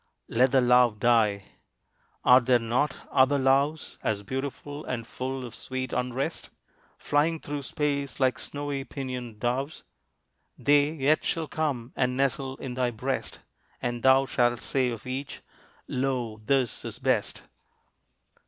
Let the love die. Are there not other loves As beautiful and full of sweet unrest, Flying through space like snowy pinioned doves? They yet shall come and nestle in thy breast, And thou shalt say of each, "Lo, this is best!"